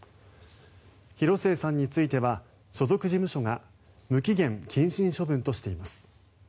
広末さんについては所属事務所が無期限謹慎処分としています。